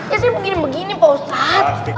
ya sih begini begini pak ustadz